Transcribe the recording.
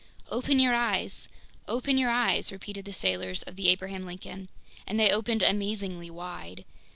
"Open your eyes! Open your eyes!" repeated the sailors of the Abraham Lincoln. And they opened amazingly wide.